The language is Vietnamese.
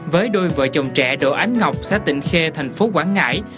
với đôi vợ chồng trẻ độ ánh ngọc xã tỉnh khê thành phố quảng ngãi